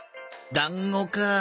団子かあ